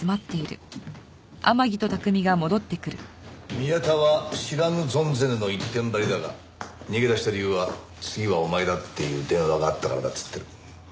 宮田は知らぬ存ぜぬの一点張りだが逃げ出した理由は「次はお前だ」っていう電話があったからだっつってる。